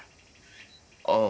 ああ。